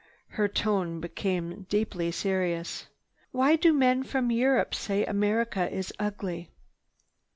Her tone became deeply serious. "Why do men from Europe say America is ugly?